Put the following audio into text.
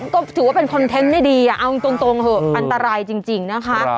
ก็ถือว่าเป็นคอนเทนต์ไม่ดีเอาตรงเถอะอันตรายจริงนะคะ